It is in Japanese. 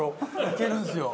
いけるんですよ。